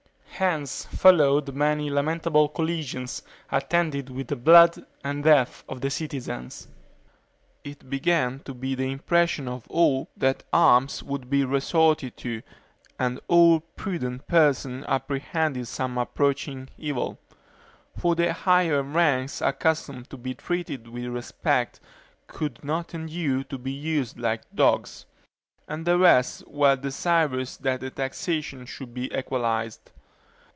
Hence followed many lamentable collisions, attended with the blood and death of citizens. It began to be the impression of all, that arms would be resorted to, and all prudent persons apprehended some approaching evil; for the higher ranks, accustomed to be treated with respect, could not endure to be used like dogs; and the rest were desirous that the taxation should be equalized.